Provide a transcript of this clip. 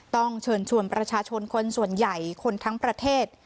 ต้องเชิญชวนประชาชนคนส่วนใหญ่คนทั้งประเทศ